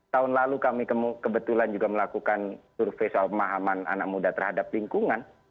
tahun lalu kami kebetulan juga melakukan survei soal pemahaman anak muda terhadap lingkungan